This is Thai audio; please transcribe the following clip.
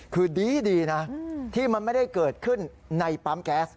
คือดีนะที่มันไม่ได้เกิดขึ้นในปั๊มแก๊ส